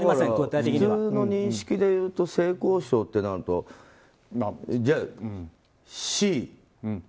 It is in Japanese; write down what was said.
普通の認識でいうと性交渉となるとＣ。